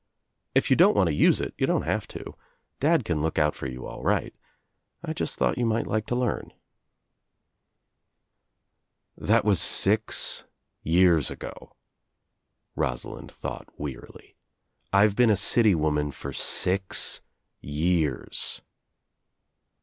"If you don't want to use it you don't have to. Dad can look out for you all right. I just thought you might like to learn." »♦* "That was six years ago," Rosalind thought wearily. "I've been a city woman for six years."